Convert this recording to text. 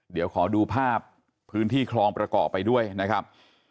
เดี๋ยวขอดูภาพพื้นที่คลองประกอบไปด้วยนะครับ